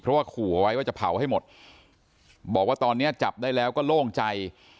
เพราะว่าขู่เอาไว้ว่าจะเผาให้หมดบอกว่าตอนนี้จับได้แล้วก็โล่งใจ